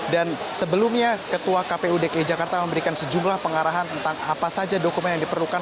dan sebelumnya ketua kpud dki jakarta memberikan sejumlah pengarahan tentang apa saja dokumen yang diperlukan